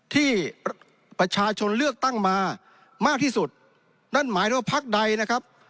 ที่ประชาชนเลือกตั้งมามากที่สุดนั่นหมายถึงว่าพักใดนะครับ